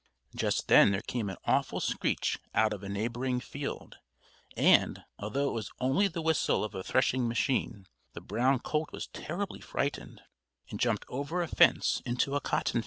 Just then there came an awful screech out of a neighboring field, and, although it was only the whistle of a threshing machine, the brown colt was terribly frightened, and jumped over a fence into a cotton field.